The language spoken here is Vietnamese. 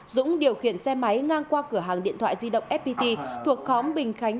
dũng điều khiển xe máy ngang qua cửa hàng điện thoại di động fpt thuộc khóm bình khánh